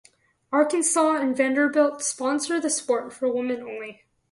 Arkansas and Vanderbilt sponsor the sport for women only.